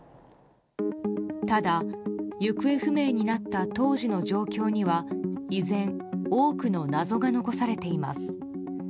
ただ、行方不明になった当時の状況には依然、多くの謎が残されています。